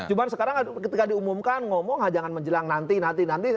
cuma sekarang ketika diumumkan ngomong jangan menjelang nanti nanti